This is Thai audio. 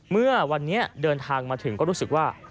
เมื่อวันนี้เดินทางมาถึงก็รู้สึกว่า